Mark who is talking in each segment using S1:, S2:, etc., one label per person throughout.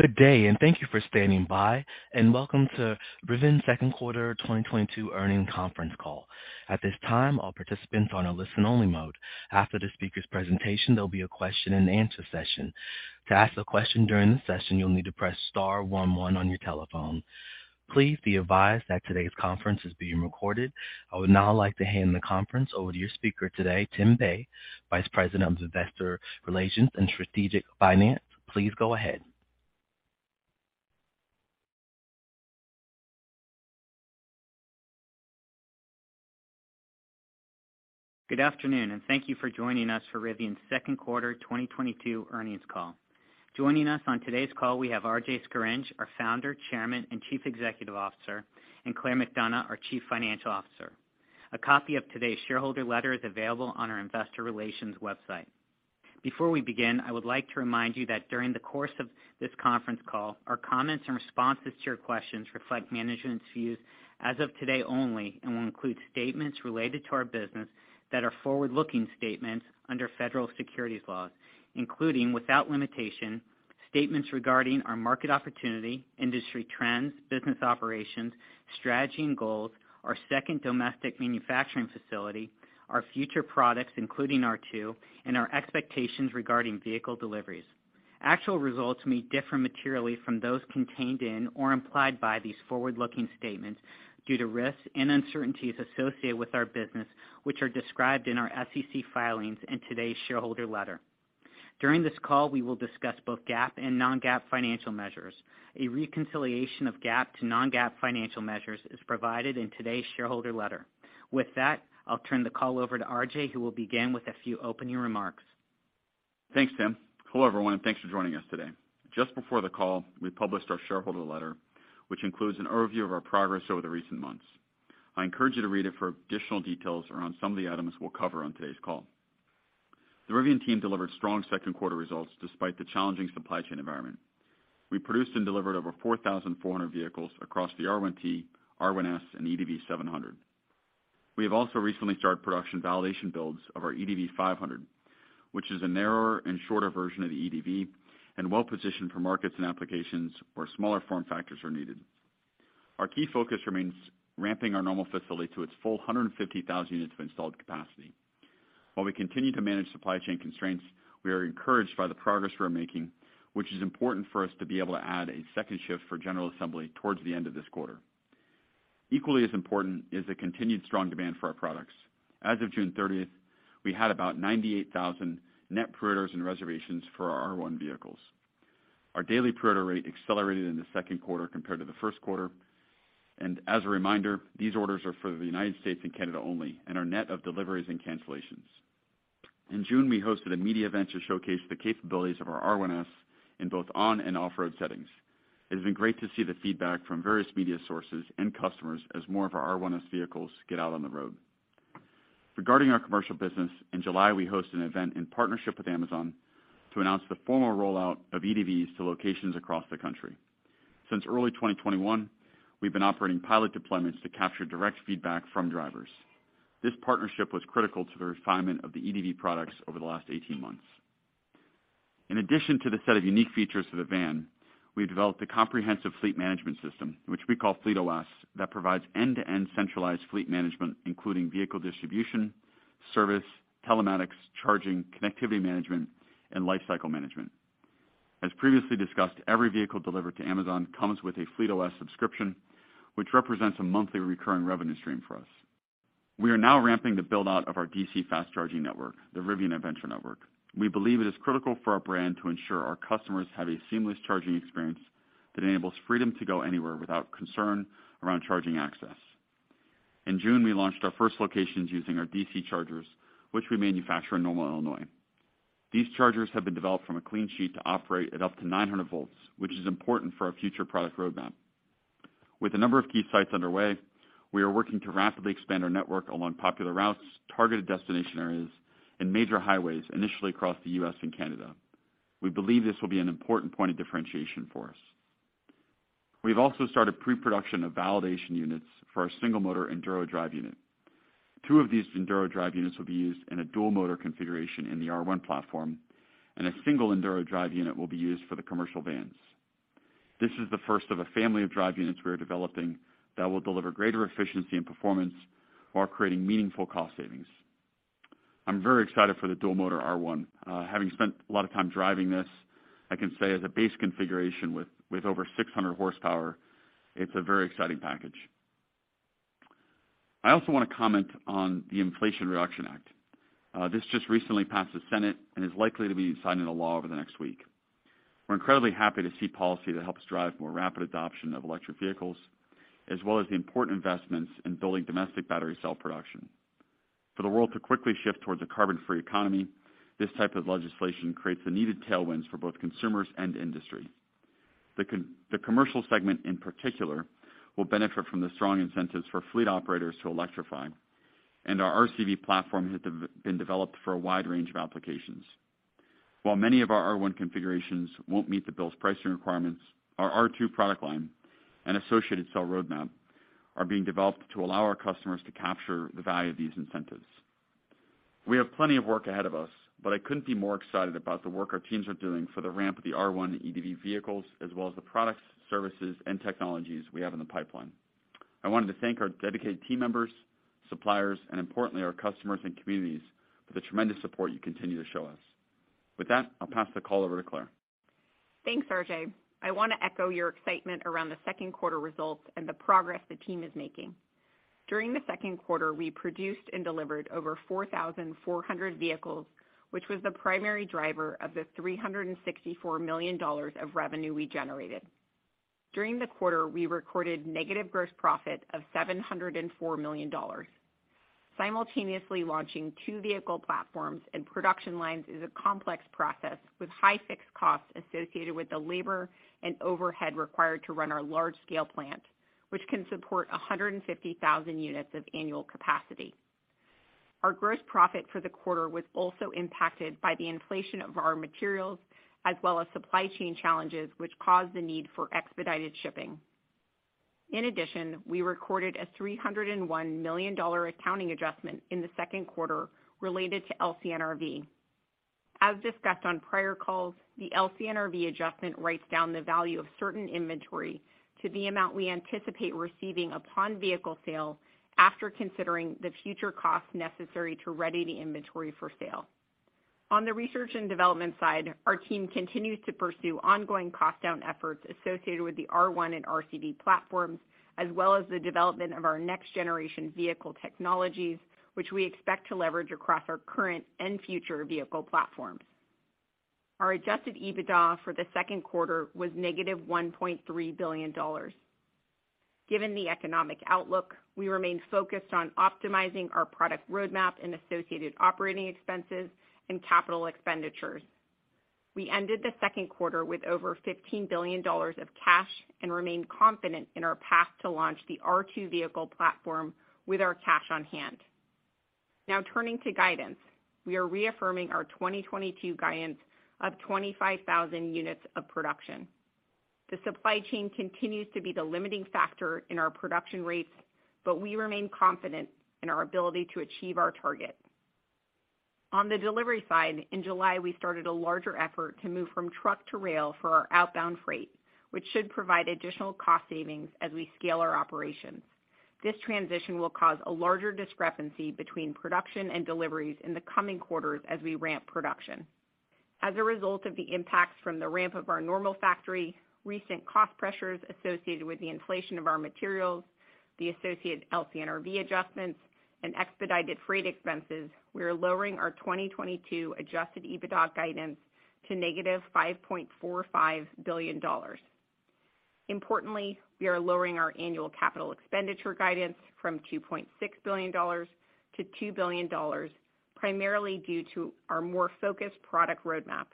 S1: Good day, and thank you for standing by, and welcome to Rivian's second quarter 2022 earnings conference call. At this time, all participants are on a listen-only mode. After the speaker's presentation, there'll be a question and answer session. To ask a question during the session, you'll need to press star one one on your telephone. Please be advised that today's conference is being recorded. I would now like to hand the conference over to your speaker today, Tim Bei, Vice President of Investor Relations and Strategic Finance. Please go ahead.
S2: Good afternoon, and thank you for joining us for Rivian's second quarter 2022 earnings call. Joining us on today's call, we have RJ Scaringe, our Founder, Chairman, and Chief Executive Officer, and Claire McDonough, our Chief Financial Officer. A copy of today's shareholder letter is available on our investor relations website. Before we begin, I would like to remind you that during the course of this conference call, our comments and responses to your questions reflect management's views as of today only and will include statements related to our business that are forward-looking statements under federal securities laws, including, without limitation, statements regarding our market opportunity, industry trends, business operations, strategy and goals, our second domestic manufacturing facility, our future products, including R2, and our expectations regarding vehicle deliveries. Actual results may differ materially from those contained in or implied by these forward-looking statements due to risks and uncertainties associated with our business, which are described in our SEC filings and today's shareholder letter. During this call, we will discuss both GAAP and non-GAAP financial measures. A reconciliation of GAAP to non-GAAP financial measures is provided in today's shareholder letter. With that, I'll turn the call over to RJ, who will begin with a few opening remarks.
S3: Thanks, Tim. Hello, everyone, and thanks for joining us today. Just before the call, we published our shareholder letter, which includes an overview of our progress over the recent months. I encourage you to read it for additional details around some of the items we'll cover on today's call. The Rivian team delivered strong second quarter results despite the challenging supply chain environment. We produced and delivered over 4,400 vehicles across the R1T, R1S, and EDV 700. We have also recently started production validation builds of our EDV 500, which is a narrower and shorter version of the EDV and well-positioned for markets and applications where smaller form factors are needed. Our key focus remains ramping Normal facility to its full 150,000 units of installed capacity. While we continue to manage supply chain constraints, we are encouraged by the progress we're making, which is important for us to be able to add a second shift for general assembly towards the end of this quarter. Equally as important is the continued strong demand for our products. As of June 30, we had about 98,000 net preorders and reservations for our R1 vehicles. Our daily preorder rate accelerated in the second quarter compared to the first quarter. As a reminder, these orders are for the United States and Canada only and are net of deliveries and cancellations. In June, we hosted a media event to showcase the capabilities of our R1S in both on and off-road settings. It has been great to see the feedback from various media sources and customers as more of our R1S vehicles get out on the road. Regarding our commercial business, in July, we host an event in partnership with Amazon to announce the formal rollout of EDVs to locations across the country. Since early 2021, we've been operating pilot deployments to capture direct feedback from drivers. This partnership was critical to the refinement of the EDV products over the last 18 months. In addition to the set of unique features of the van, we developed a comprehensive fleet management system, which we call FleetOS, that provides end-to-end centralized fleet management, including vehicle distribution, service, telematics, charging, connectivity management, and lifecycle management. As previously discussed, every vehicle delivered to Amazon comes with a FleetOS subscription, which represents a monthly recurring revenue stream for us. We are now ramping the build-out of our DC fast charging network, the Rivian Adventure Network. We believe it is critical for our brand to ensure our customers have a seamless charging experience that enables freedom to go anywhere without concern around charging access. In June, we launched our first locations using our DC chargers, which we manufacture in Normal, Illinois. These chargers have been developed from a clean sheet to operate at up to 900 volts, which is important for our future product roadmap. With a number of key sites underway, we are working to rapidly expand our network along popular routes, targeted destination areas, and major highways, initially across the U.S. and Canada. We believe this will be an important point of differentiation for us. We've also started pre-production of validation units for our single motor Enduro drive unit. Two of these Enduro drive units will be used in a dual motor configuration in the R1 platform, and a single Enduro drive unit will be used for the commercial vans. This is the first of a family of drive units we are developing that will deliver greater efficiency and performance while creating meaningful cost savings. I'm very excited for the dual motor R1. Having spent a lot of time driving this, I can say as a base configuration with over 600 horsepower, it's a very exciting package. I also wanna comment on the Inflation Reduction Act. This just recently passed the Senate and is likely to be signed into law over the next week. We're incredibly happy to see policy that helps drive more rapid adoption of electric vehicles, as well as the important investments in building domestic battery cell production. For the world to quickly shift towards a carbon-free economy, this type of legislation creates the needed tailwinds for both consumers and industry. The commercial segment in particular will benefit from the strong incentives for fleet operators to electrify, and our RCV platform has been developed for a wide range of applications. While many of our R1 configurations won't meet the bill's pricing requirements, our R2 product line and associated cell roadmap are being developed to allow our customers to capture the value of these incentives. We have plenty of work ahead of us, but I couldn't be more excited about the work our teams are doing for the ramp of the R1 EV vehicles, as well as the products, services, and technologies we have in the pipeline. I wanted to thank our dedicated team members, suppliers, and importantly, our customers and communities for the tremendous support you continue to show us. With that, I'll pass the call over to Claire.
S4: Thanks, RJ. I wanna echo your excitement around the second quarter results and the progress the team is making. During the second quarter, we produced and delivered over 4,400 vehicles, which was the primary driver of the $364 million of revenue we generated. During the quarter, we recorded negative gross profit of $704 million. Simultaneously launching two vehicle platforms and production lines is a complex process with high fixed costs associated with the labor and overhead required to run our large scale plant, which can support 150,000 units of annual capacity. Our gross profit for the quarter was also impacted by the inflation of our materials as well as supply chain challenges, which caused the need for expedited shipping. In addition, we recorded a $301 million accounting adjustment in the second quarter related to LCNRV. As discussed on prior calls, the LCNRV adjustment writes down the value of certain inventory to the amount we anticipate receiving upon vehicle sale after considering the future costs necessary to ready the inventory for sale. On the research and development side, our team continues to pursue ongoing cost down efforts associated with the R1 and RCV platforms, as well as the development of our next generation vehicle technologies, which we expect to leverage across our current and future vehicle platforms. Our adjusted EBITDA for the second quarter was negative $1.3 billion. Given the economic outlook, we remain focused on optimizing our product roadmap and associated operating expenses and capital expenditures. We ended the second quarter with over $15 billion of cash and remain confident in our path to launch the R2 vehicle platform with our cash on hand. Now turning to guidance. We are reaffirming our 2022 guidance of 25,000 units of production. The supply chain continues to be the limiting factor in our production rates, but we remain confident in our ability to achieve our target. On the delivery side, in July, we started a larger effort to move from truck to rail for our outbound freight, which should provide additional cost savings as we scale our operations. This transition will cause a larger discrepancy between production and deliveries in the coming quarters as we ramp production. As a result of the impacts from the ramp of our Normal factory, recent cost pressures associated with the inflation of our materials, the associated LCNRV adjustments, and expedited freight expenses, we are lowering our 2022 Adjusted EBITDA guidance to -$5.45 billion. Importantly, we are lowering our annual capital expenditure guidance from $2.6 billion to $2 billion, primarily due to our more focused product roadmap.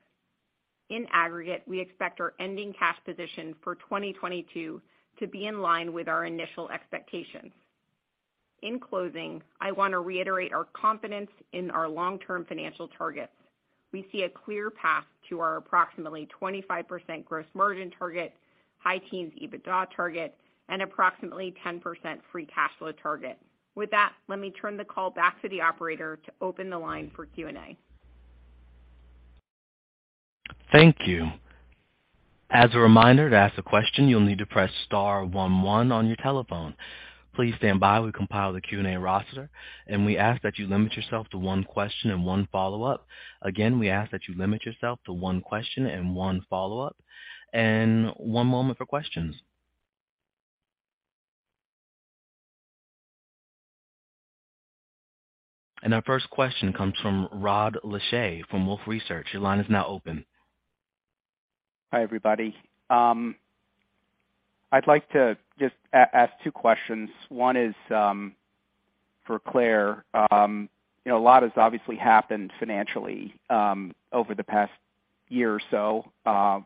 S4: In aggregate, we expect our ending cash position for 2022 to be in line with our initial expectations. In closing, I wanna reiterate our confidence in our long-term financial targets. We see a clear path to our approximately 25% gross margin target, high teens EBITDA target, and approximately 10% free cash flow target. With that, let me turn the call back to the operator to open the line for Q&A.
S1: Thank you. As a reminder, to ask a question, you'll need to press star one one on your telephone. Please stand by. We compile the Q&A roster, and we ask that you limit yourself to one question and one follow-up. Again, we ask that you limit yourself to one question and one follow-up. One moment for questions. Our first question comes from Rod Lache from Wolfe Research. Your line is now open.
S5: Hi, everybody. I'd like to just ask two questions. One is, for Claire. You know, a lot has obviously happened financially, over the past year or so,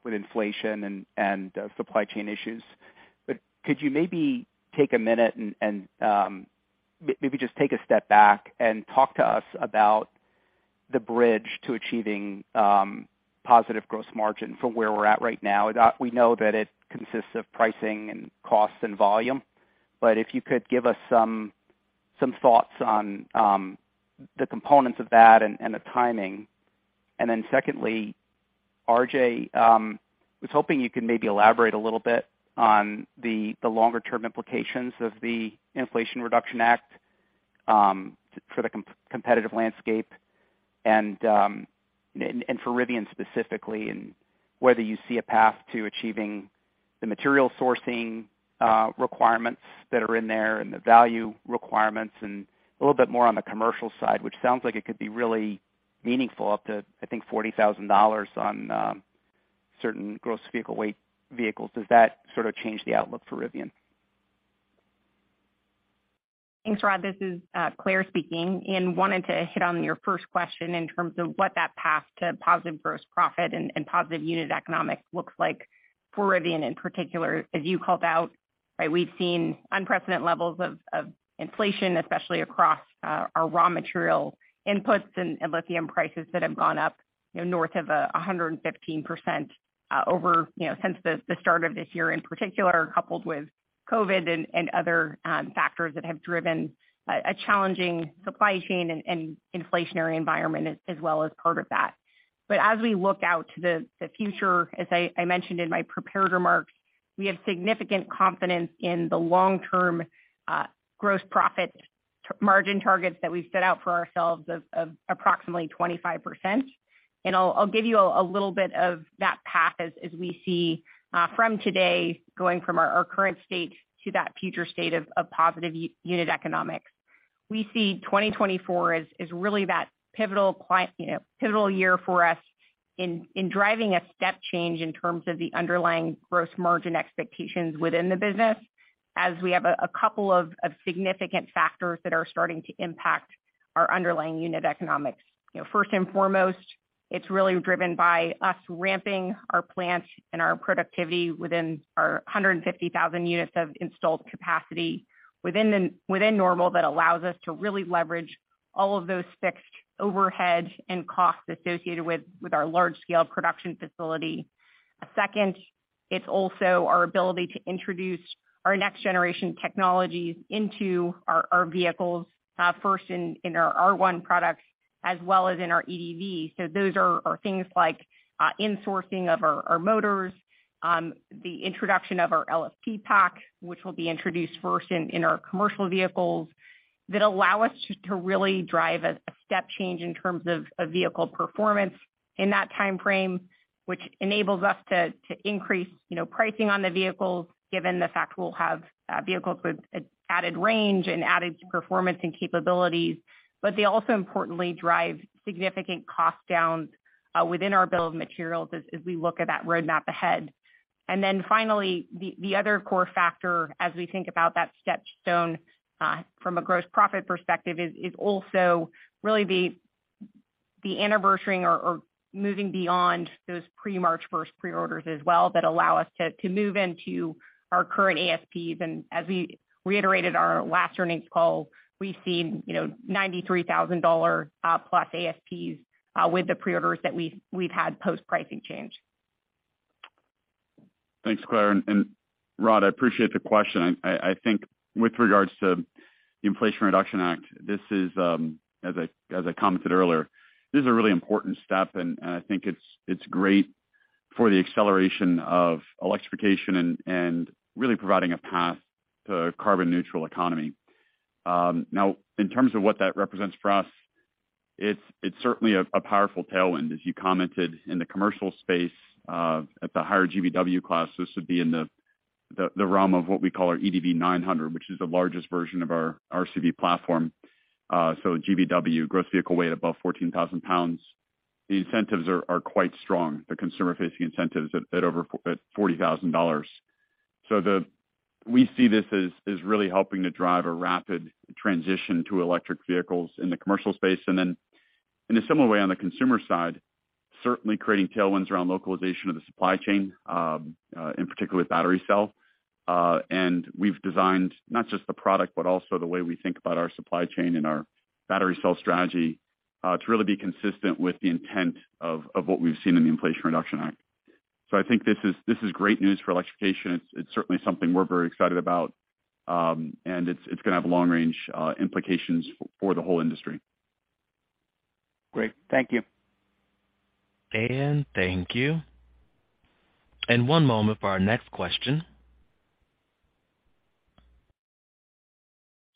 S5: with inflation and supply chain issues. Could you maybe take a minute and maybe just take a step back and talk to us about the bridge to achieving positive gross margin from where we're at right now? That we know that it consists of pricing and cost and volume. If you could give us some thoughts on the components of that and the timing. Then secondly, RJ, was hoping you could maybe elaborate a little bit on the longer term implications of the Inflation Reduction Act for the competitive landscape and for Rivian specifically, and whether you see a path to achieving the material sourcing requirements that are in there and the value requirements and a little bit more on the commercial side, which sounds like it could be really meaningful up to, I think, $40,000 on certain gross vehicle weight vehicles. Does that sort of change the outlook for Rivian?
S4: Thanks, Rod. This is Claire speaking. Wanted to hit on your first question in terms of what that path to positive gross profit and positive unit economics looks like for Rivian, in particular. As you called out, right, we've seen unprecedented levels of inflation, especially across our raw material inputs and lithium prices that have gone up, you know, north of 115%, over, you know, since the start of this year in particular, coupled with COVID and other factors that have driven a challenging supply chain and inflationary environment as well as part of that. But as we look out to the future, as I mentioned in my prepared remarks, we have significant confidence in the long-term gross profit margin targets that we've set out for ourselves of approximately 25%. I'll give you a little bit of that path as we see from today, going from our current state to that future state of positive unit economics. We see 2024 as really that pivotal year for us in driving a step change in terms of the underlying gross margin expectations within the business, as we have a couple of significant factors that are starting to impact our underlying unit economics. You know, first and foremost, it's really driven by us ramping our plants and our productivity within our 150,000 units of installed capacity within Normal that allows us to really leverage all of those fixed overheads and costs associated with our large scale production facility. Second, it's also our ability to introduce our next generation technologies into our vehicles, first in our R1 products as well as in our EDV. Those are things like insourcing of our motors, the introduction of our LFP pack, which will be introduced first in our commercial vehicles that allow us to really drive a step change in terms of vehicle performance in that timeframe, which enables us to increase, you know, pricing on the vehicles given the fact we'll have vehicles with added range and added performance and capabilities. They also importantly drive significant cost downs within our bill of materials as we look at that roadmap ahead. Finally, the other core factor as we think about that stepstone from a gross profit perspective is also really the anniversarying or moving beyond those pre-March first pre-orders as well that allow us to move into our current ASPs. As we reiterated our last earnings call, we've seen, you know, $93,000+ ASPs with the pre-orders that we've had post-pricing change.
S3: Thanks, Claire. Rod, I appreciate the question. I think with regards to the Inflation Reduction Act, this is, as I commented earlier, this is a really important step and I think it's great for the acceleration of electrification and really providing a path to carbon neutral economy. Now in terms of what that represents for us, it's certainly a powerful tailwind. As you commented in the commercial space, at the higher GVW class, this would be in the realm of what we call our EDV 900, which is the largest version of our RCV platform. So GVW, gross vehicle weight, above 14,000 pounds. The incentives are quite strong, the consumer facing incentives at over $40,000. We see this as really helping to drive a rapid transition to electric vehicles in the commercial space. In a similar way, on the consumer side, certainly creating tailwinds around localization of the supply chain, in particular with battery cells. We've designed not just the product, but also the way we think about our supply chain and our battery cell strategy, to really be consistent with the intent of what we've seen in the Inflation Reduction Act. I think this is great news for electrification. It's certainly something we're very excited about. It's gonna have long range implications for the whole industry.
S6: Great. Thank you.
S1: Thank you. One moment for our next question.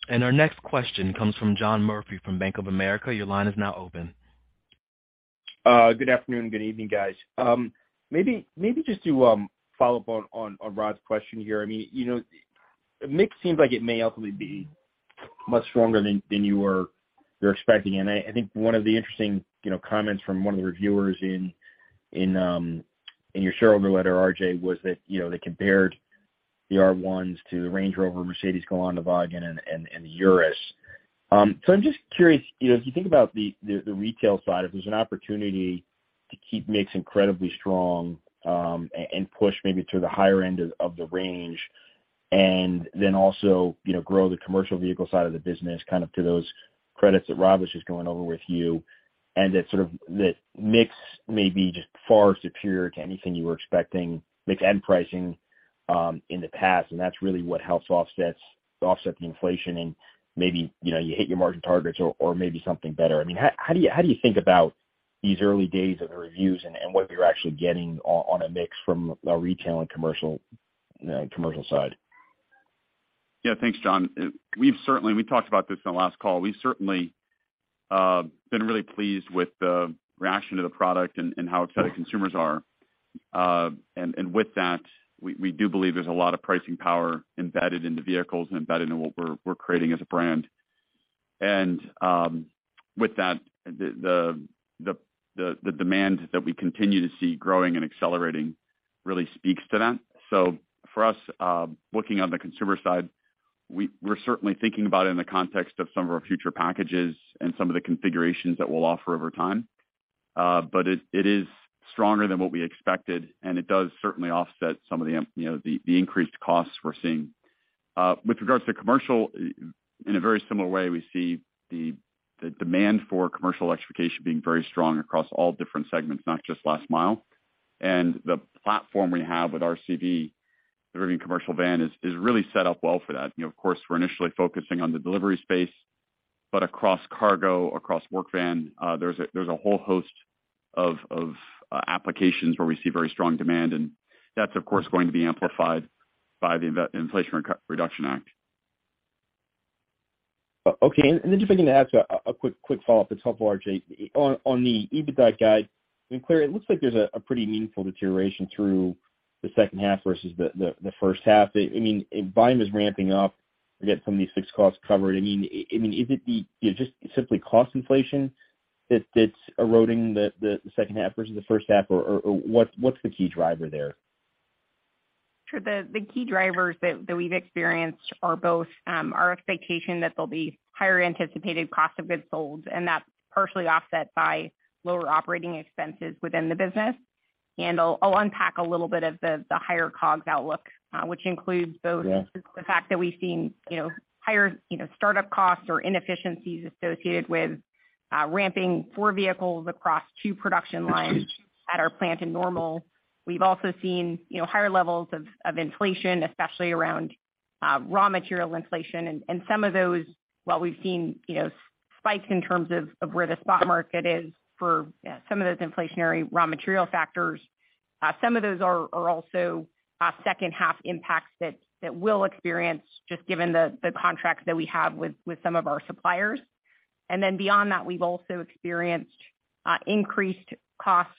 S1: Our next question comes from John Murphy from Bank of America. Your line is now open.
S6: Good afternoon, good evening, guys. Maybe just to follow up on Rod's question here. I mean, you know, mix seems like it may ultimately be much stronger than you're expecting. I think one of the interesting, you know, comments from one of the reviewers in your shareholder letter, RJ, was that, you know, they compared the R1S to the Range Rover, Mercedes G-Wagen and Urus. I'm just curious, you know, as you think about the retail side, if there's an opportunity to keep mix incredibly strong, and push maybe to the higher end of the range, and then also, you know, grow the commercial vehicle side of the business, kind of to those credits that Rod was just going over with you, and that sort of mix may be just far superior to anything you were expecting, mix and pricing in the past, and that's really what helps offset the inflation and maybe, you know, you hit your margin targets or maybe something better. I mean, how do you think about these early days of the reviews and what you're actually getting on a mix from a retail and commercial, you know, commercial side?
S3: Yeah. Thanks, John. We've talked about this on the last call. We've certainly been really pleased with the reaction to the product and how excited consumers are. With that, we do believe there's a lot of pricing power embedded in the vehicles and embedded in what we're creating as a brand. With that, the demand that we continue to see growing and accelerating really speaks to that. For us, looking on the consumer side, we're certainly thinking about it in the context of some of our future packages and some of the configurations that we'll offer over time. It is stronger than what we expected, and it does certainly offset some of the, you know, the increased costs we're seeing. With regards to commercial, in a very similar way, we see the demand for commercial electrification being very strong across all different segments, not just last mile. The platform we have with RCV, the Rivian Commercial Van, is really set up well for that. You know, of course, we're initially focusing on the delivery space, but across cargo, across work van, there's a whole host of applications where we see very strong demand. That's, of course, going to be amplified by the Inflation Reduction Act.
S6: Okay. Then just if I can ask a quick follow-up that's helpful, RJ. On the EBITDA guide, I mean, clearly it looks like there's a pretty meaningful deterioration through the second half versus the first half. I mean, if volume is ramping up, you get some of these fixed costs covered. I mean, is it you know, just simply cost inflation that's eroding the second half versus the first half, or what's the key driver there?
S4: Sure. The key drivers that we've experienced are both our expectation that there'll be higher anticipated cost of goods sold, and that's partially offset by lower operating expenses within the business. I'll unpack a little bit of the higher COGS outlook, which includes both.
S6: Yeah
S4: The fact that we've seen, you know, higher, you know, startup costs or inefficiencies associated with ramping four vehicles across two production lines at our plant in Normal. We've also seen, you know, higher levels of inflation, especially around raw material inflation. Some of those, while we've seen, you know, spikes in terms of where the spot market is for some of those inflationary raw material factors, some of those are also second half impacts that we'll experience just given the contracts that we have with some of our suppliers. Beyond that, we've also experienced increased costs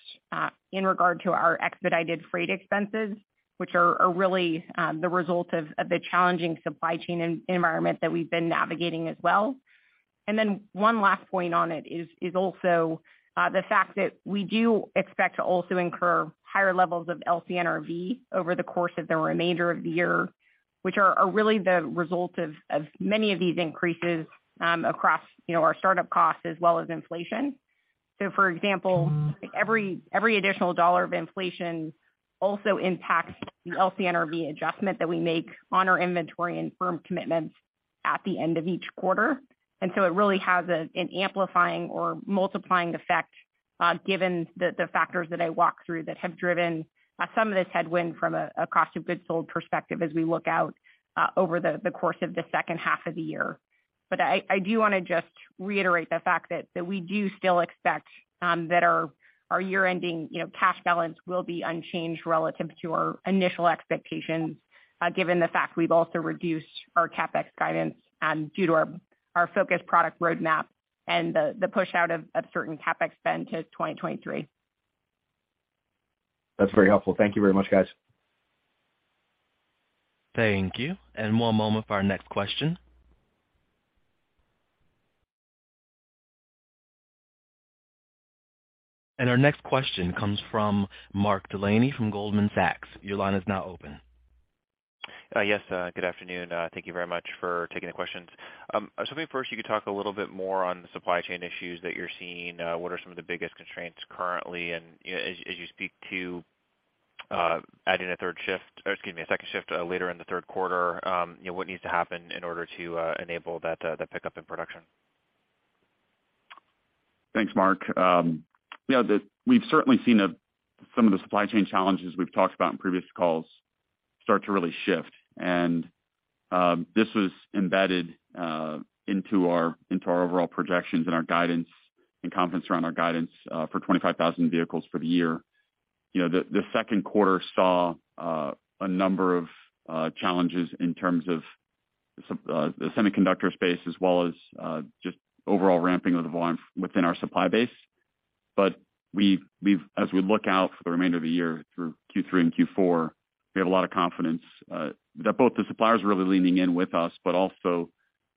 S4: in regard to our expedited freight expenses, which are really the result of the challenging supply chain environment that we've been navigating as well. One last point on it is also the fact that we do expect to also incur higher levels of LCNRV over the course of the remainder of the year, which are really the result of many of these increases across, you know, our startup costs as well as inflation. For example, every additional dollar of inflation also impacts the LCNRV adjustment that we make on our inventory and firm commitments at the end of each quarter. It really has an amplifying or multiplying effect, given the factors that I walked through that have driven some of this headwind from a cost of goods sold perspective as we look out over the course of the second half of the year. I do wanna just reiterate the fact that we do still expect that our year-ending, you know, cash balance will be unchanged relative to our initial expectations, given the fact we've also reduced our CapEx guidance, due to our focused product roadmap and the push out of certain CapEx spend to 2023.
S6: That's very helpful. Thank you very much, guys.
S1: Thank you. One moment for our next question. Our next question comes from Mark Delaney from Goldman Sachs. Your line is now open.
S7: Yes, good afternoon. Thank you very much for taking the questions. I was hoping first you could talk a little bit more on the supply chain issues that you're seeing. What are some of the biggest constraints currently? You know, as you speak to adding a third shift, or excuse me, a second shift, later in the third quarter, you know, what needs to happen in order to enable that pickup in production?
S3: Thanks, Mark. Yeah, we've certainly seen some of the supply chain challenges we've talked about in previous calls start to really shift. This was embedded into our overall projections and our guidance and confidence around our guidance for 25,000 vehicles for the year. You know, the second quarter saw a number of challenges in terms of the semiconductor space as well as just overall ramping of the volume within our supply base. As we look out for the remainder of the year through Q3 and Q4, we have a lot of confidence that both the suppliers are really leaning in with us, but also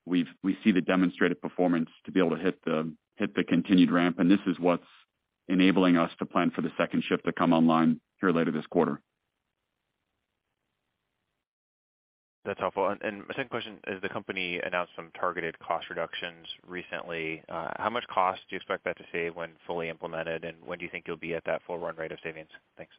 S3: we see the demonstrated performance to be able to hit the continued ramp, and this is what's enabling us to plan for the second shift to come online here later this quarter.
S7: That's helpful. My second question, as the company announced some targeted cost reductions recently, how much cost do you expect that to save when fully implemented, and when do you think you'll be at that full run rate of savings? Thanks.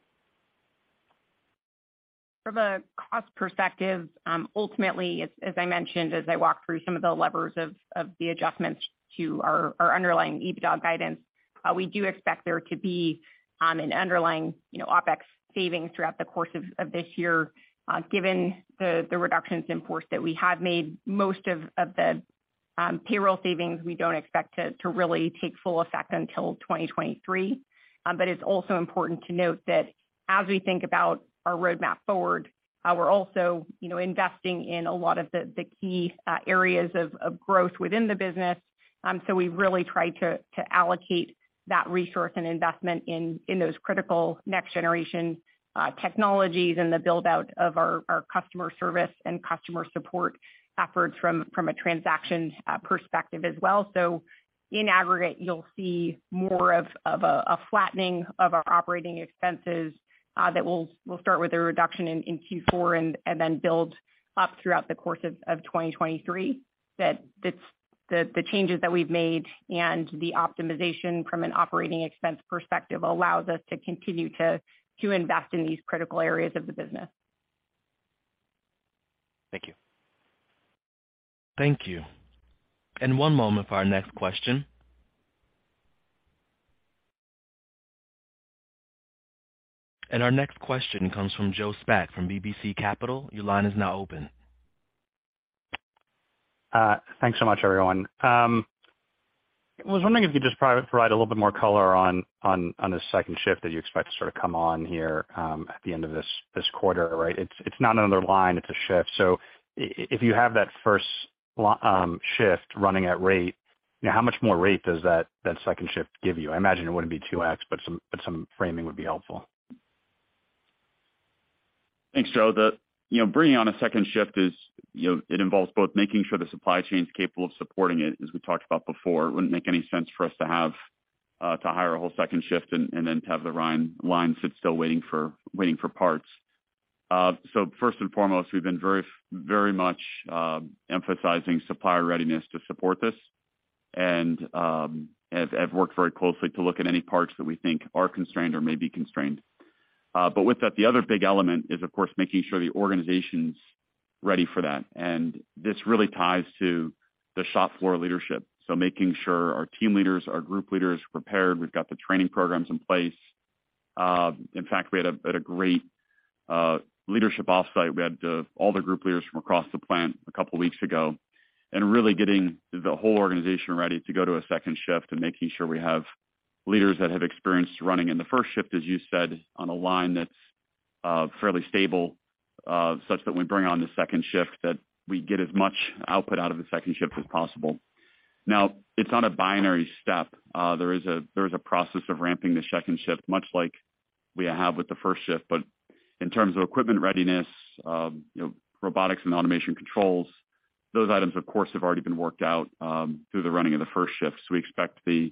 S4: From a cost perspective, ultimately, as I mentioned, as I walked through some of the levers of the adjustments to our underlying EBITDA guidance, we do expect there to be an underlying, you know, OpEx savings throughout the course of this year, given the reductions in force that we have made. Most of the payroll savings, we don't expect to really take full effect until 2023. It's also important to note that as we think about our roadmap forward, we're also, you know, investing in a lot of the key areas of growth within the business. We've really tried to allocate that resource and investment in those critical next generation technologies and the build-out of our customer service and customer support efforts from a transaction perspective as well. In aggregate, you'll see more of a flattening of our operating expenses that will start with a reduction in Q4 and then build up throughout the course of 2023. That it's the changes that we've made and the optimization from an operating expense perspective allows us to continue to invest in these critical areas of the business.
S7: Thank you.
S1: Thank you. One moment for our next question. Our next question comes from Joe Spak from UBS. Your line is now open.
S8: Thanks so much, everyone. Was wondering if you could just provide a little bit more color on this second shift that you expect to sort of come on here at the end of this quarter, right? It's not another line, it's a shift. If you have that first shift running at rate, you know, how much more rate does that second shift give you? I imagine it wouldn't be 2x, but some framing would be helpful.
S3: Thanks, Joe. You know, bringing on a second shift is, you know, it involves both making sure the supply chain is capable of supporting it, as we talked about before. It wouldn't make any sense for us to have to hire a whole second shift and then to have the line sit still waiting for parts. First and foremost, we've been very, very much emphasizing supplier readiness to support this and have worked very closely to look at any parts that we think are constrained or may be constrained. But with that, the other big element is, of course, making sure the organization's ready for that. This really ties to the shop floor leadership. Making sure our team leaders, our group leaders are prepared. We've got the training programs in place. In fact, we had a great leadership offsite. We had all the group leaders from across the plant a couple weeks ago. Really getting the whole organization ready to go to a second shift and making sure we have leaders that have experience running in the first shift, as you said, on a line that's fairly stable, such that when we bring on the second shift, that we get as much output out of the second shift as possible. Now, it's not a binary step. There is a process of ramping the second shift, much like we have with the first shift. In terms of equipment readiness, you know, robotics and automation controls, those items, of course, have already been worked out through the running of the first shift. We expect the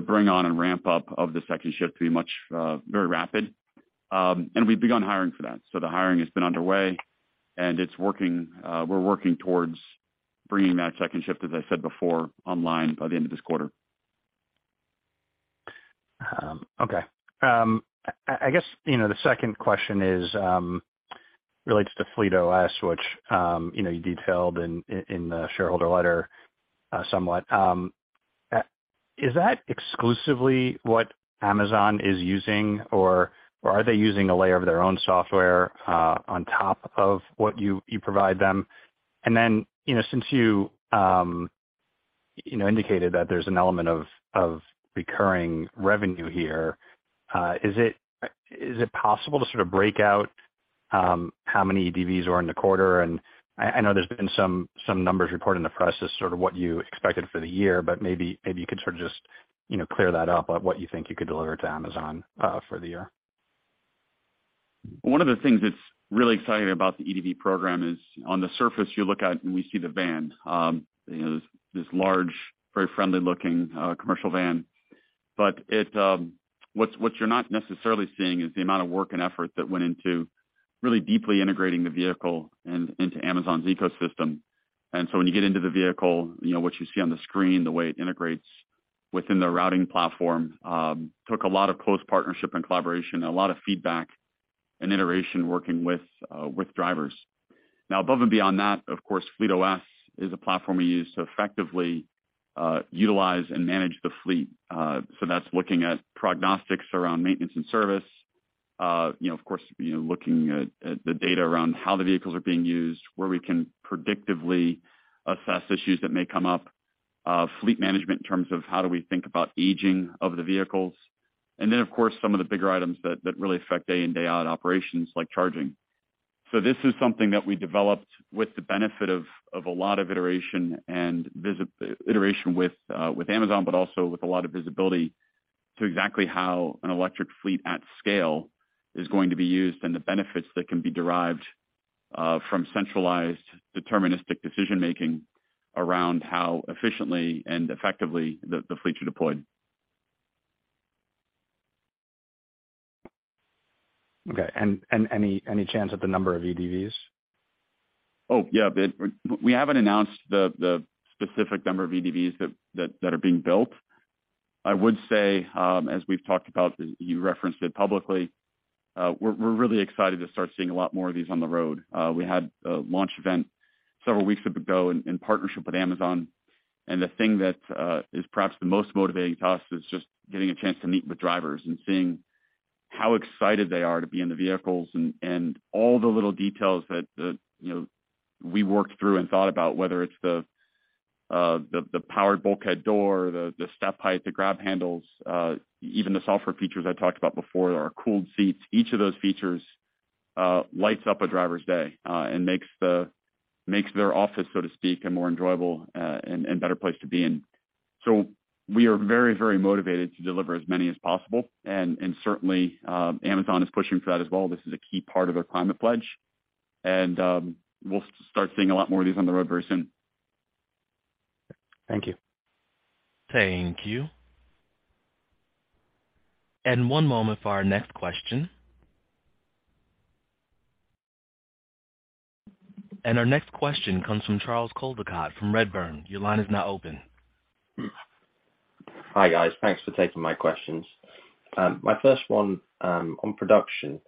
S3: bring on and ramp up of the second shift to be much, very rapid. We've begun hiring for that. The hiring has been underway and it's working. We're working towards bringing that second shift, as I said before, online by the end of this quarter.
S8: Okay. I guess, you know, the second question is relates to FleetOS, which, you know, you detailed in the shareholder letter, somewhat. Is that exclusively what Amazon is using, or are they using a layer of their own software on top of what you provide them? You know, since you know indicated that there's an element of recurring revenue here, is it possible to sort of break out how many EDVs were in the quarter? I know there's been some numbers reported in the press as sort of what you expected for the year, but maybe you could sort of just, you know, clear that up on what you think you could deliver to Amazon for the year.
S3: One of the things that's really exciting about the EDV program is on the surface, you look at and we see the van. You know, this large, very friendly looking commercial van. But what you're not necessarily seeing is the amount of work and effort that went into really deeply integrating the vehicle into Amazon's ecosystem. When you get into the vehicle, you know, what you see on the screen, the way it integrates within the routing platform, took a lot of close partnership and collaboration, a lot of feedback and iteration working with drivers. Now, above and beyond that, of course, FleetOS is a platform we use to effectively utilize and manage the fleet. So that's looking at prognostics around maintenance and service. You know, of course, you know, looking at the data around how the vehicles are being used, where we can predictively assess issues that may come up. Fleet management in terms of how do we think about aging of the vehicles. Of course, some of the bigger items that really affect day in, day out operations, like charging. This is something that we developed with the benefit of a lot of iteration with Amazon, but also with a lot of visibility to exactly how an electric fleet at scale is going to be used and the benefits that can be derived from centralized deterministic decision-making around how efficiently and effectively the fleets are deployed.
S8: Okay. Any chance at the number of EDVs?
S3: Oh, yeah. We haven't announced the specific number of EDVs that are being built. I would say, as we've talked about, you referenced it publicly, we're really excited to start seeing a lot more of these on the road. We had a launch event several weeks ago in partnership with Amazon. The thing that is perhaps the most motivating to us is just getting a chance to meet with drivers and seeing how excited they are to be in the vehicles and all the little details that you know we worked through and thought about, whether it's the powered bulkhead door, the step height, the grab handles, even the software features I talked about before, our cooled seats. Each of those features lights up a driver's day and makes their office, so to speak, a more enjoyable and better place to be in. We are very motivated to deliver as many as possible, and certainly Amazon is pushing for that as well. This is a key part of their Climate Pledge. We'll start seeing a lot more of these on the road very soon.
S8: Thank you.
S1: Thank you. One moment for our next question. Our next question comes from Charles Coldicott from Redburn. Your line is now open.
S9: Hi, guys. Thanks for taking my questions. My first one, on production.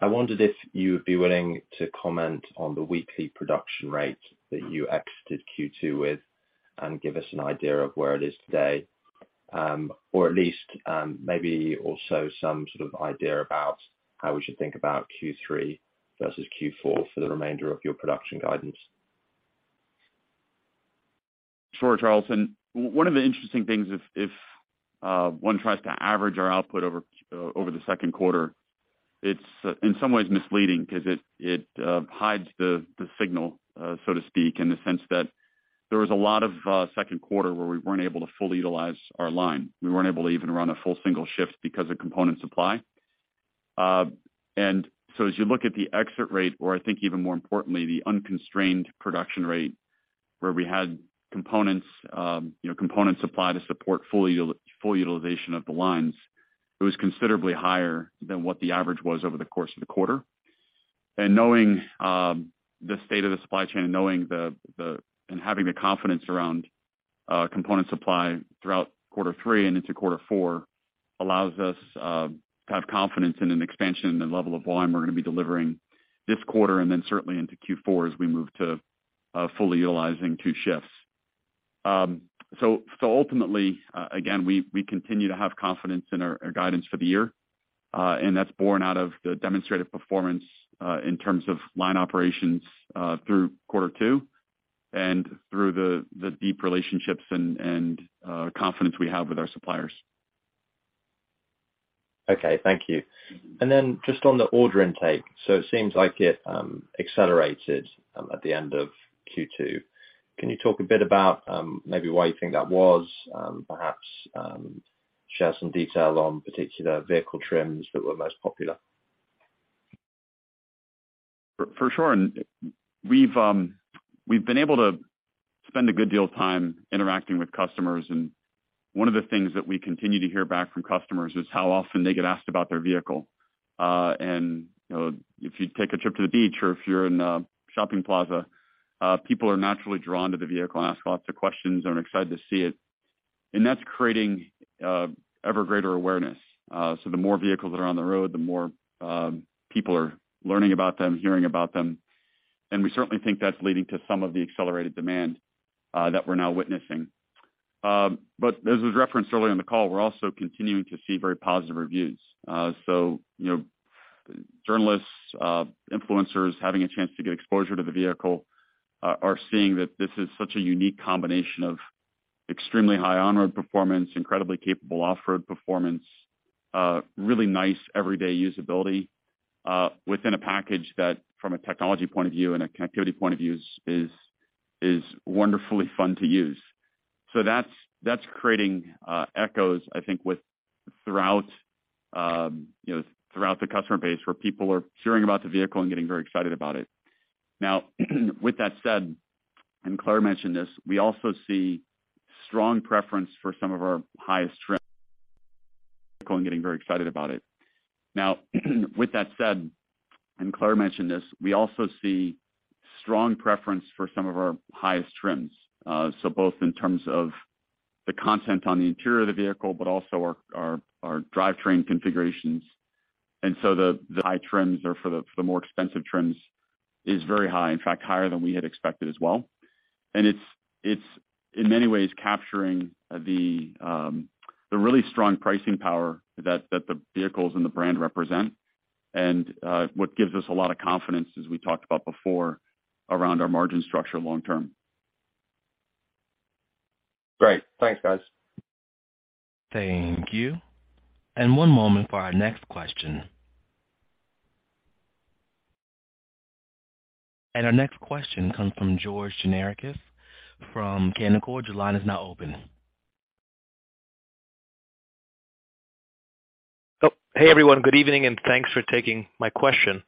S9: I wondered if you would be willing to comment on the weekly production rate that you exited Q2 with and give us an idea of where it is today, or at least, maybe also some sort of idea about how we should think about Q3 versus Q4 for the remainder of your production guidance.
S3: Sure, Charles. One of the interesting things if one tries to average our output over the second quarter, it's in some ways misleading 'cause it hides the signal so to speak, in the sense that there was a lot of second quarter where we weren't able to fully utilize our line. We weren't able to even run a full single shift because of component supply. And so as you look at the exit rate, or I think even more importantly, the unconstrained production rate where we had components, you know, component supply to support full utilization of the lines, it was considerably higher than what the average was over the course of the quarter. Knowing the state of the supply chain and knowing the. Having the confidence around component supply throughout quarter three and into quarter four allows us to have confidence in an expansion in the level of volume we're gonna be delivering this quarter and then certainly into Q4 as we move to fully utilizing two shifts. So ultimately, again, we continue to have confidence in our guidance for the year, and that's borne out of the demonstrated performance in terms of line operations through quarter two and through the deep relationships and confidence we have with our suppliers.
S9: Okay. Thank you. Just on the order intake, so it seems like it accelerated at the end of Q2. Can you talk a bit about maybe why you think that was, perhaps share some detail on particular vehicle trims that were most popular?
S3: For sure. We've been able to spend a good deal of time interacting with customers, and one of the things that we continue to hear back from customers is how often they get asked about their vehicle. You know, if you take a trip to the beach or if you're in a shopping plaza, people are naturally drawn to the vehicle and ask lots of questions and are excited to see it, and that's creating ever greater awareness. The more vehicles that are on the road, the more people are learning about them, hearing about them, and we certainly think that's leading to some of the accelerated demand that we're now witnessing. As was referenced earlier in the call, we're also continuing to see very positive reviews. You know, journalists, influencers having a chance to get exposure to the vehicle are seeing that this is such a unique combination of extremely high on-road performance, incredibly capable off-road performance, really nice everyday usability, within a package that from a technology point of view and a connectivity point of view is wonderfully fun to use. That's creating echoes, I think, throughout the customer base, where people are hearing about the vehicle and getting very excited about it. Now with that said, and Claire mentioned this, we also see strong preference for some of our highest trims. Both in terms of the content on the interior of the vehicle, but also our drivetrain configurations. The high trims or for the more expensive trims is very high, in fact, higher than we had expected as well. It's in many ways capturing the really strong pricing power that the vehicles and the brand represent and what gives us a lot of confidence, as we talked about before, around our margin structure long term.
S9: Great. Thanks, guys.
S1: Thank you. One moment for our next question. Our next question comes from George Gianarikas from Canaccord Genuity. Your line is now open.
S10: Oh, hey, everyone. Good evening, and thanks for taking my question.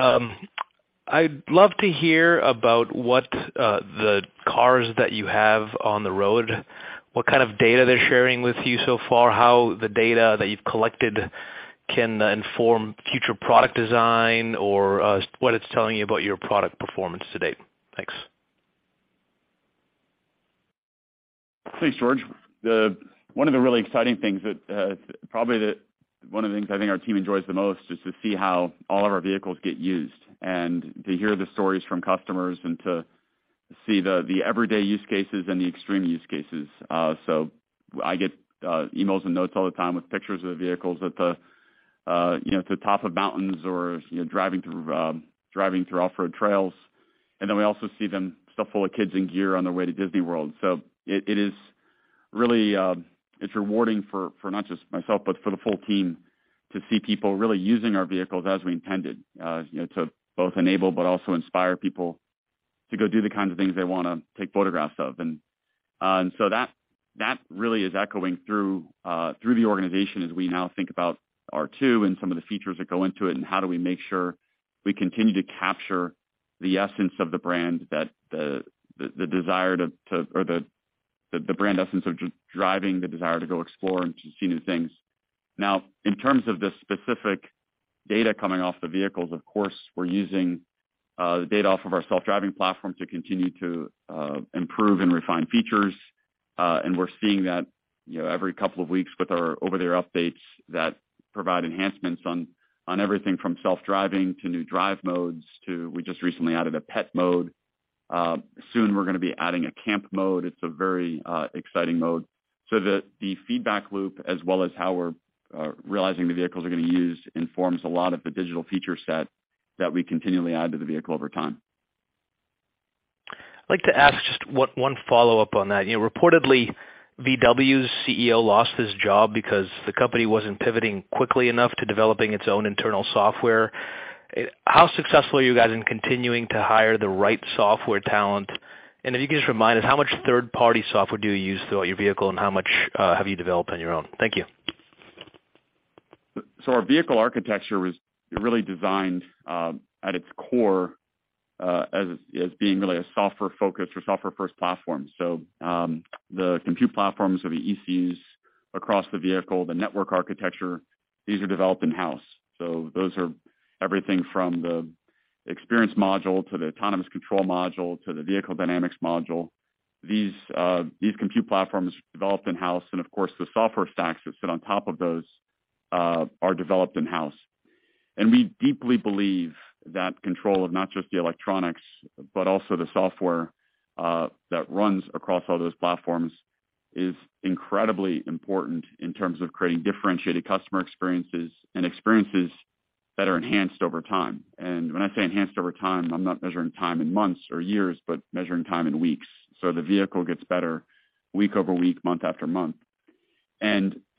S10: I'd love to hear about what the cars that you have on the road, what kind of data they're sharing with you so far, how the data that you've collected can inform future product design or what it's telling you about your product performance to date. Thanks.
S3: Thanks, George. One of the really exciting things that probably one of the things I think our team enjoys the most is to see how all of our vehicles get used and to hear the stories from customers and to see the everyday use cases and the extreme use cases. So I get emails and notes all the time with pictures of the vehicles at the you know to the top of mountains or you know driving through off-road trails. Then we also see them stuffed full of kids and gear on their way to Disney World. It is really rewarding for not just myself, but for the full team to see people really using our vehicles as we intended, you know, to both enable but also inspire people to go do the kinds of things they wanna take photographs of. That really is echoing through the organization as we now think about R2 and some of the features that go into it, and how do we make sure we continue to capture the essence of the brand, the desire to or the brand essence of just driving the desire to go explore and to see new things. Now, in terms of the specific data coming off the vehicles, of course, we're using the data off of our self-driving platform to continue to improve and refine features. We're seeing that, you know, every couple of weeks with our over-the-air updates that provide enhancements on everything from self-driving to new drive modes to we just recently added a pet mode. Soon we're gonna be adding a camp mode. It's a very exciting mode. The feedback loop as well as how we're realizing the vehicles are gonna be used informs a lot of the digital feature set that we continually add to the vehicle over time.
S10: I'd like to ask just one follow-up on that. You know, reportedly, Volkswagen's CEO lost his job because the company wasn't pivoting quickly enough to developing its own internal software. How successful are you guys in continuing to hire the right software talent? And if you could just remind us how much third-party software do you use throughout your vehicle and how much have you developed on your own? Thank you.
S3: Our vehicle architecture was really designed at its core as being really a software focused or software first platform. The compute platforms or the ECUs across the vehicle, the network architecture, these are developed in-house. Those are everything from the experience module to the autonomous control module to the vehicle dynamics module. These compute platforms developed in-house and of course, the software stacks that sit on top of those are developed in-house. We deeply believe that control of not just the electronics, but also the software that runs across all those platforms is incredibly important in terms of creating differentiated customer experiences and experiences that are enhanced over time. When I say enhanced over time, I'm not measuring time in months or years, but measuring time in weeks. The vehicle gets better week over week, month after month.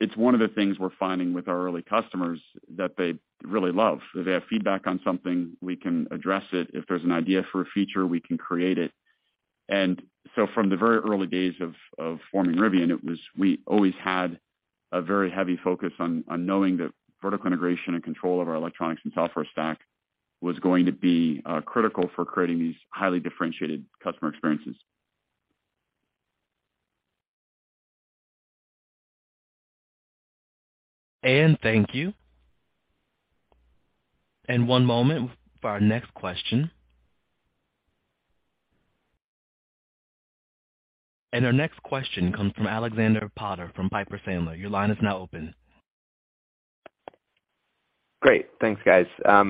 S3: It's one of the things we're finding with our early customers that they really love. If they have feedback on something, we can address it. If there's an idea for a feature, we can create it. From the very early days of forming Rivian, we always had a very heavy focus on knowing that vertical integration and control of our electronics and software stack was going to be critical for creating these highly differentiated customer experiences.
S1: Thank you. One moment for our next question. Our next question comes from Alexander Potter from Piper Sandler. Your line is now open.
S11: Great. Thanks, guys. A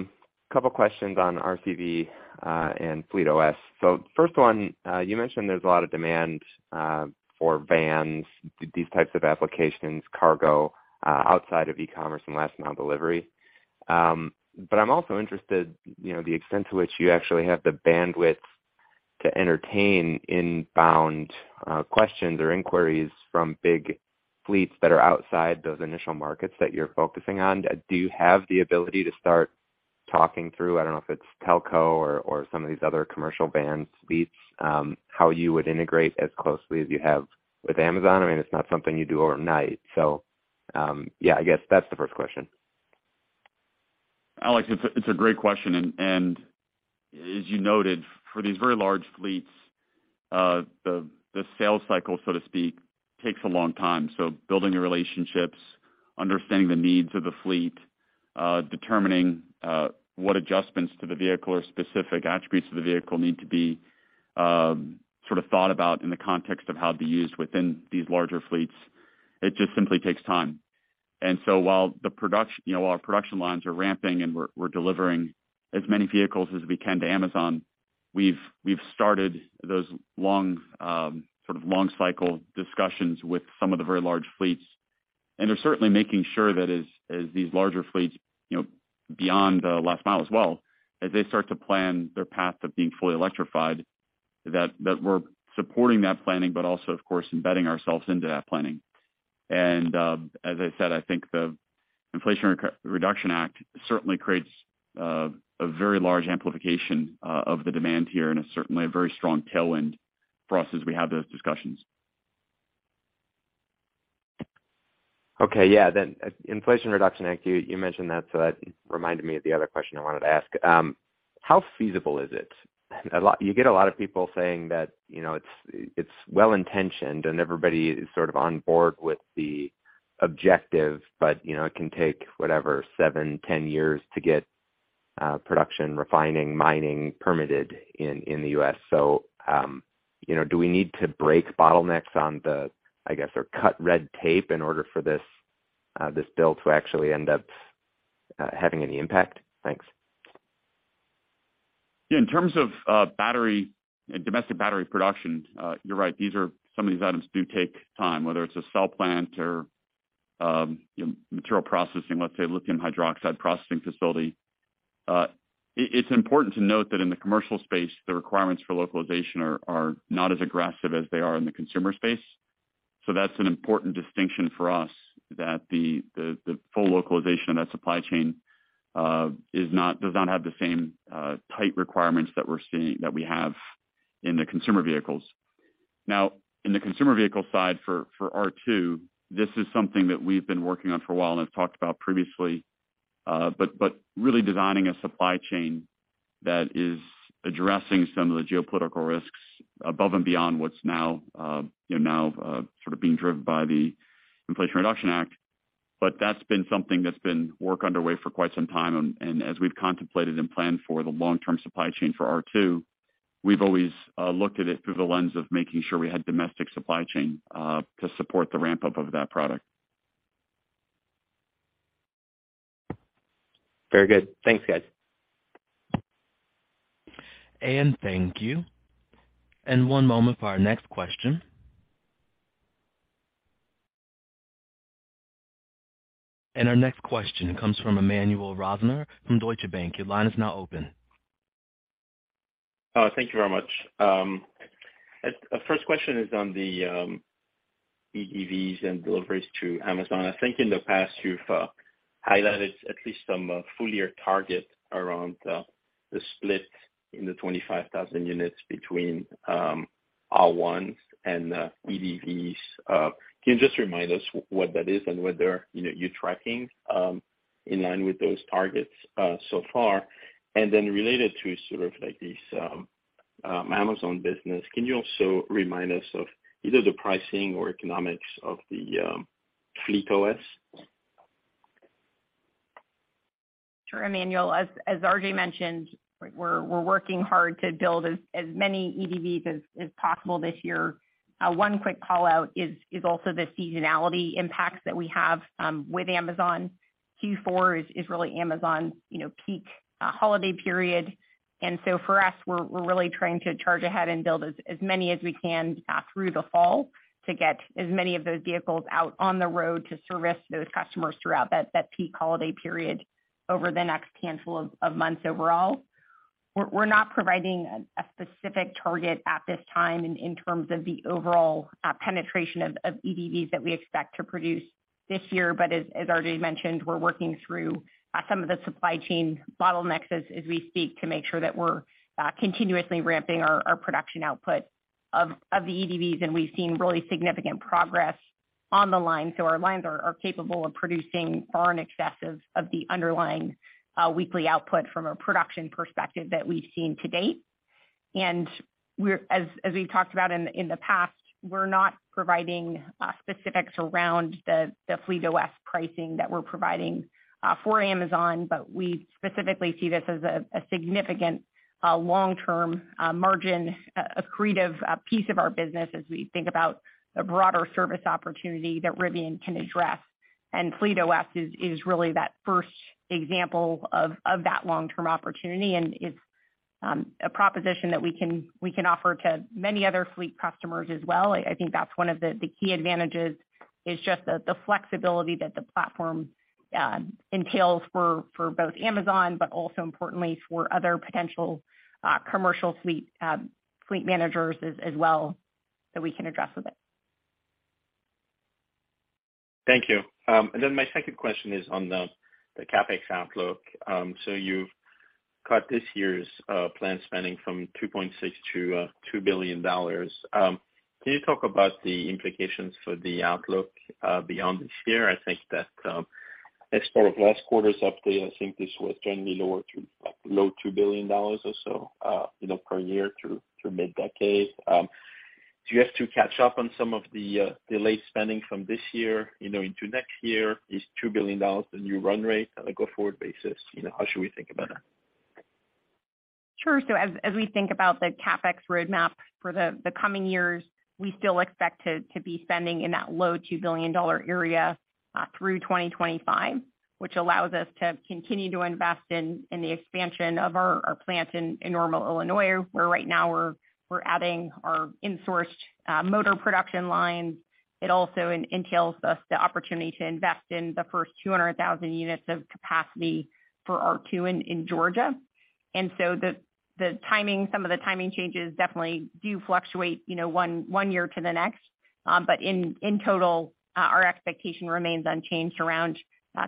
S11: couple of questions on RCV and FleetOS. First one, you mentioned there's a lot of demand for vans, these types of applications, cargo, outside of e-commerce and last mile delivery. But I'm also interested, you know, the extent to which you actually have the bandwidth to entertain inbound questions or inquiries from big fleets that are outside those initial markets that you're focusing on. Do you have the ability to start talking through, I don't know if it's telco or some of these other commercial van fleets, how you would integrate as closely as you have with Amazon? I mean, it's not something you do overnight. Yeah, I guess that's the first question.
S3: Alex, it's a great question. As you noted, for these very large fleets, the sales cycle, so to speak, takes a long time. Building the relationships, understanding the needs of the fleet, determining what adjustments to the vehicle or specific attributes of the vehicle need to be sort of thought about in the context of how they're used within these larger fleets. It just simply takes time. While our production lines are ramping and we're delivering as many vehicles as we can to Amazon, we've started those long sort of long cycle discussions with some of the very large fleets. They're certainly making sure that as these larger fleets, you know, beyond the last mile as well, as they start to plan their path of being fully electrified, that we're supporting that planning, but also, of course, embedding ourselves into that planning. As I said, I think the Inflation Reduction Act certainly creates a very large amplification of the demand here and certainly a very strong tailwind for us as we have those discussions.
S11: Okay. Yeah. Inflation Reduction Act, you mentioned that, so that reminded me of the other question I wanted to ask. How feasible is it? You get a lot of people saying that, you know, it's well-intentioned and everybody is sort of on board with the objective, but, you know, it can take whatever, 7, 10 years to get production, refining, mining permitted in the U.S. You know, do we need to break bottlenecks on the, I guess, or cut red tape in order for this bill to actually end up having any impact? Thanks.
S3: Yeah, in terms of battery and domestic battery production, you're right, these are some of these items do take time, whether it's a cell plant or material processing, let's say, lithium hydroxide processing facility. It's important to note that in the commercial space, the requirements for localization are not as aggressive as they are in the consumer space. That's an important distinction for us that the full localization of that supply chain does not have the same tight requirements that we're seeing, that we have in the consumer vehicles. Now, in the consumer vehicle side for R2, this is something that we've been working on for a while and have talked about previously, but really designing a supply chain.
S12: That is addressing some of the geopolitical risks above and beyond what's now, you know, now, sort of being driven by the Inflation Reduction Act. That's been something that's been work underway for quite some time. As we've contemplated and planned for the long-term supply chain for R2, we've always looked at it through the lens of making sure we had domestic supply chain to support the ramp-up of that product.
S3: Very good. Thanks, guys.
S1: Thank you. One moment for our next question. Our next question comes from Emmanuel Rosner from Deutsche Bank. Your line is now open.
S13: Thank you very much. First question is on the EDVs and deliveries to Amazon. I think in the past, you've highlighted at least some full year target around the split in the 25,000 units between R1s and EDVs. Can you just remind us what that is and whether, you know, you're tracking in line with those targets so far? Related to sort of like this Amazon business, can you also remind us of either the pricing or economics of the FleetOS?
S4: Sure. Emmanuel. As RJ mentioned, we're working hard to build as many EDVs as possible this year. One quick call-out is also the seasonality impacts that we have with Amazon. Q4 is really Amazon's peak holiday period. For us, we're really trying to charge ahead and build as many as we can through the fall to get as many of those vehicles out on the road to service those customers throughout that peak holiday period over the next handful of months overall. We're not providing a specific target at this time in terms of the overall penetration of EDVs that we expect to produce this year. As RJ mentioned, we're working through some of the supply chain bottlenecks as we speak, to make sure that we're continuously ramping our production output of the EDVs. We've seen really significant progress on the line. Our lines are capable of producing far in excess of the underlying weekly output from a production perspective that we've seen to date. As we've talked about in the past, we're not providing specifics around the FleetOS pricing that we're providing for Amazon, but we specifically see this as a significant long-term margin accretive piece of our business as we think about the broader service opportunity that Rivian can address. FleetOS is really that first example of that long-term opportunity, and it's a proposition that we can offer to many other fleet customers as well. I think that's one of the key advantages is just the flexibility that the platform entails for both Amazon, but also importantly for other potential commercial fleet managers as well that we can address with it.
S13: Thank you. My second question is on the CapEx outlook. You've cut this year's planned spending from $2.6 billion to $2 billion. Can you talk about the implications for the outlook beyond this year? I think that as part of last quarter's update, I think this was generally low- to low $2 billion or so, you know, per year through mid-decade. Do you have to catch up on some of the delayed spending from this year, you know, into next year? Is $2 billion the new run rate on a go-forward basis? You know, how should we think about that?
S4: Sure. As we think about the CapEx roadmap for the coming years, we still expect to be spending in that low $2 billion area through 2025, which allows us to continue to invest in the expansion of our plant in Normal, Illinois, where right now we're adding our insourced motor production lines. It also entails us the opportunity to invest in the first 200,000 units of capacity for R2 in Georgia. The timing, some of the timing changes definitely do fluctuate, you know, one year to the next. In total, our expectation remains unchanged around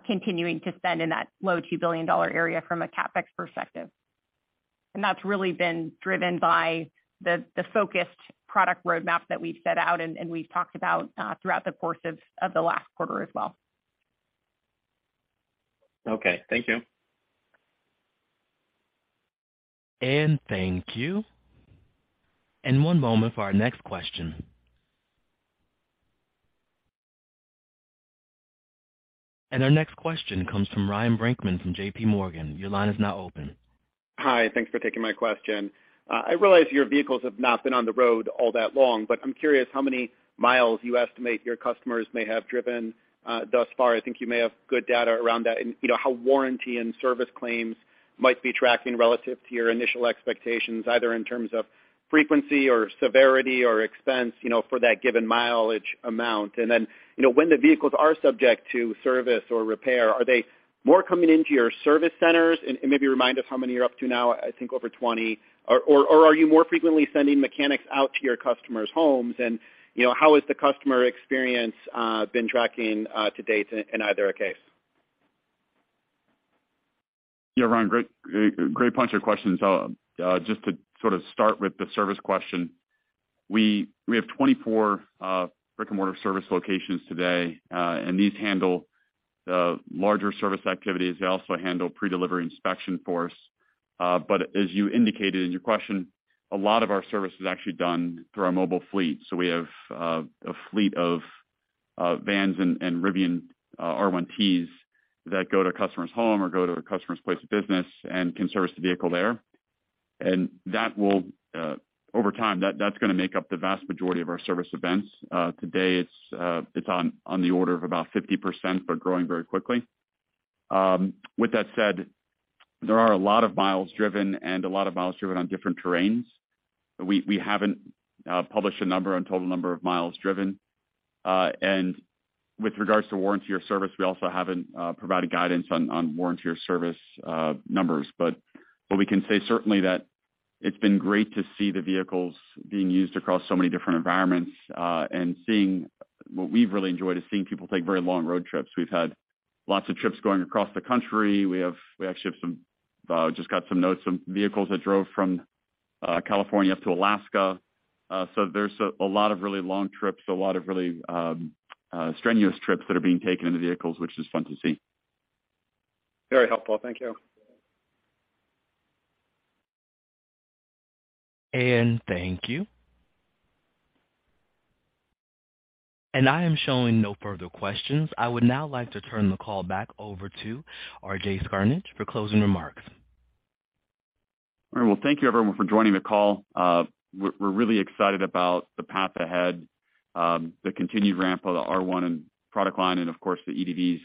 S4: continuing to spend in that low $2 billion area from a CapEx perspective. That's really been driven by the focused product roadmap that we've set out and we've talked about throughout the course of the last quarter as well.
S13: Okay, thank you.
S1: Thank you. One moment for our next question. Our next question comes from Ryan Brinkman from JPMorgan. Your line is now open.
S12: Hi. Thanks for taking my question. I realize your vehicles have not been on the road all that long, but I'm curious how many miles you estimate your customers may have driven thus far. I think you may have good data around that. You know, how warranty and service claims might be tracking relative to your initial expectations, either in terms of frequency or severity or expense, you know, for that given mileage amount. Then, you know, when the vehicles are subject to service or repair, are they more coming into your service centers? Maybe remind us how many you're up to now, I think over 20. Or are you more frequently sending mechanics out to your customers' homes? You know, how has the customer experience been tracking to date in either case?
S3: Yeah, Ryan, great bunch of questions. Just to sort of start with the service question. We have 24 brick-and-mortar service locations today. These handle the larger service activities. They also handle pre-delivery inspection for us. As you indicated in your question, a lot of our service is actually done through our mobile fleet. We have a fleet of vans and Rivian R1Ts that go to a customer's home or go to a customer's place of business and can service the vehicle there. That will over time make up the vast majority of our service events. Today it's on the order of about 50%, but growing very quickly. With that said, there are a lot of miles driven on different terrains. We haven't published a number on total number of miles driven. With regard to warranty or service, we also haven't provided guidance on warranty or service numbers. We can say certainly that it's been great to see the vehicles being used across so many different environments. What we've really enjoyed is seeing people take very long road trips. We've had lots of trips going across the country. We actually just got some notes from vehicles that drove from California up to Alaska. There's a lot of really long trips, a lot of really strenuous trips that are being taken in the vehicles, which is fun to see.
S12: Very helpful. Thank you.
S1: Thank you. I am showing no further questions. I would now like to turn the call back over to RJ Scaringe for closing remarks.
S3: All right. Well, thank you everyone for joining the call. We're really excited about the path ahead, the continued ramp of the R1 and product line and of course the EDVs,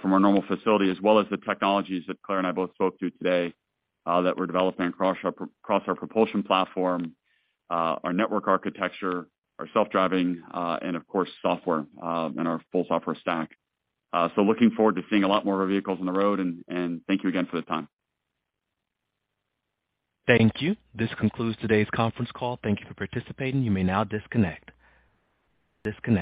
S3: from Normal facility, as well as the technologies that Claire and I both spoke to today, that we're developing across our propulsion platform, our network architecture, our self-driving, and of course, software, and our full software stack. Looking forward to seeing a lot more of our vehicles on the road and thank you again for the time.
S1: Thank you. This concludes today's conference call. Thank you for participating. You may now disconnect. Disconnect.